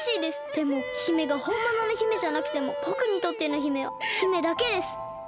でも姫がほんものの姫じゃなくてもぼくにとっての姫は姫だけです！